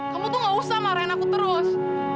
kamu tuh gak usah marahin aku terus